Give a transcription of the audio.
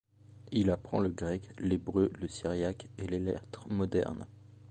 Il apprend le grec, l'hébreu, le syriaque et les lettres modernes.